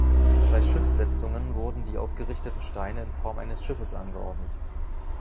Bei Schiffssetzungen wurden die aufgerichteten Steine in Form eines Schiffes angeordnet.